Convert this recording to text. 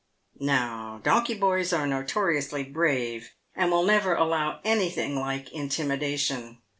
Now donkey boys are notoriously brave, and will never allow anything like intimidation.